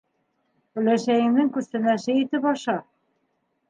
Өләсәйеңдең күстәнәсе итеп аша.